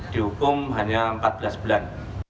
di hukum hanya empat belas bulan